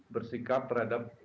di kota palung